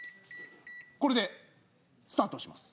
これでスタートを押します。